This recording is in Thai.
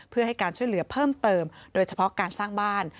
เพื่อให้การช่วยเหลือเพิ่มเติมโดยเฉพาะการสร้างบ้าน